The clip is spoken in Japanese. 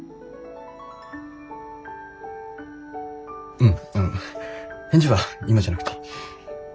うんあの返事は今じゃなくていい。